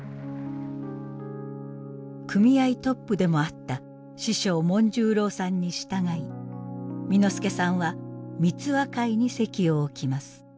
組合トップでもあった師匠紋十郎さんに従い簑助さんは三和会に籍を置きます。